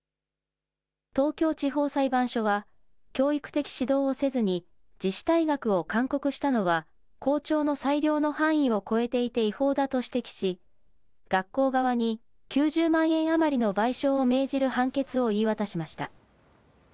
東京地方裁判所は、教育的指導をせずに、自主退学を勧告したのは校長の裁量の範囲を超えていて違法だと指摘し、学校側に９０万円余りの賠償を命じる判決を言い渡しました。